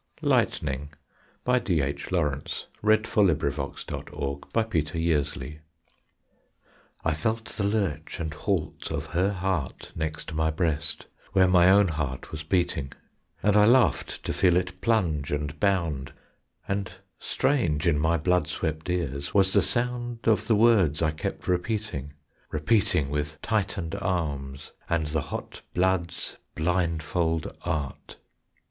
and I, What more ? Strange, how we suffer in spite of this! LIGHTNING I felt the lurch and halt of her heart Next my breast, where my own heart was beating; And I laughed to feel it plunge and bound, And strange in my blood swept ears was the sound Of the words I kept repeating, Repeating with tightened arms, and the hot blood's blindfold art.